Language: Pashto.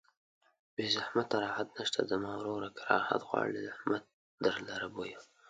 بې زحمته راحت نشته زما وروره که راحت غواړې زحمت در لره بویه